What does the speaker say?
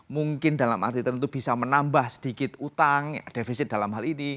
mungkin dalam arti tentu bisa menambah sedikit utang defisit dalam hal ini